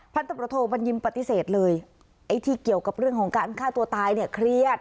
ตำรวจโทบัญญิมปฏิเสธเลยไอ้ที่เกี่ยวกับเรื่องของการฆ่าตัวตายเนี่ยเครียด